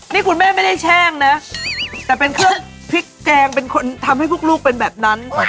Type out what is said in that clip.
นี่คุณแม่ไม่ได้แช่งนะแต่เป็นเครื่องพริกแกงเป็นคนทำให้พวกลูกเป็นแบบนั้น